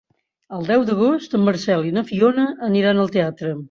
El deu d'agost en Marcel i na Fiona aniran al teatre.